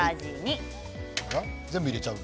全部入れちゃうの？